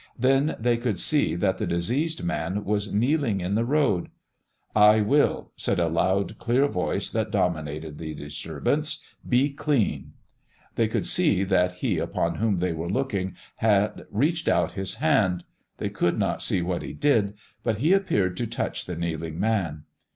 Then they could see that the diseased man was kneeling in the road. "I will," said a loud, clear voice that dominated the disturbance. "Be clean!" They could see that He upon whom they were looking had reached out His hand. They could not see what He did, but He appeared to touch the kneeling man.